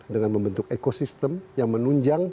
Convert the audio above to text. dengan membentuk ekosistem yang menunjang